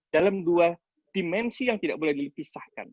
dalam dua dimensi yang tidak boleh dipisahkan